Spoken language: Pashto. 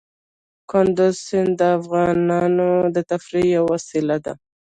کندز سیند د افغانانو د تفریح یوه وسیله ده.